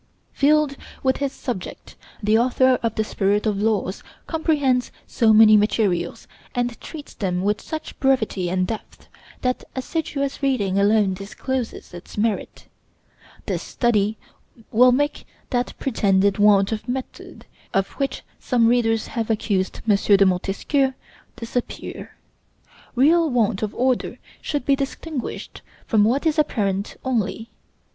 Filled with his subject, the author of the 'Spirit of Laws' comprehends so many materials, and treats them with such brevity and depth, that assiduous reading alone discloses its merit. This study will make that pretended want of method, of which some readers have accused M. de Montesquieu, disappear. Real want of order should be distinguished from what is apparent only.